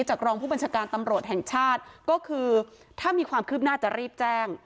รองผู้บัญชาการตำรวจแห่งชาติก็คือถ้ามีความคืบหน้าจะรีบแจ้ง